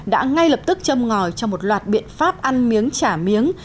đã ngay lập tức châm ngòi cho một loạt biện pháp ăn miếng trả miếng